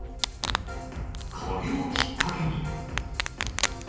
これをきっかけに。